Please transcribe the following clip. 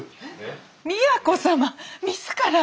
都様自ら？